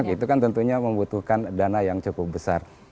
itu kan tentunya membutuhkan dana yang cukup besar